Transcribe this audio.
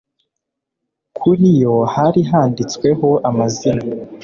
kuri yo hari handitsweho amazina